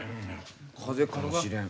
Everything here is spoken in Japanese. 風邪かもしれん。